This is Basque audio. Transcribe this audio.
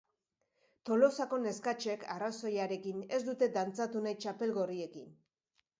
Tolosako neskatxek, arrazoiarekin, ez dute dantzatu nahi txapel gorriekin.